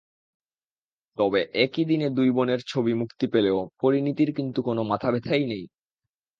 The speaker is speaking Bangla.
তবে একই দিনে দুই বোনের ছবি মুক্তি পেলেও পরিণীতির কিন্তু কোনো মাথাব্যথাই নেই।